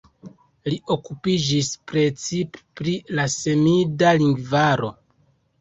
Li okupiĝis precipe pri la semida lingvaro.